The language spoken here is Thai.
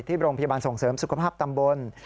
โรงพยาบาลส่งเสริมสุขภาพตำบล